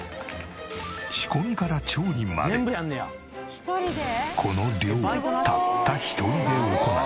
仕込みから調理までこの量をたった一人で行う。